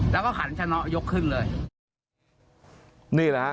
แล้วก็ขันชะน้อยกครึ่งเลย